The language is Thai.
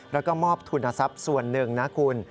แล้วก็มอบทุนทรัพย์ส่วนหนึ่งนะคุณ